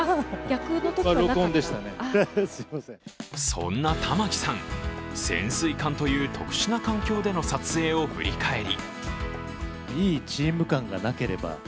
そんな玉木さん水艦という特殊な環境での撮影を振り返り